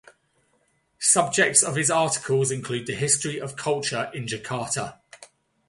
Subjects of his articles include the history of culture in Jakarta.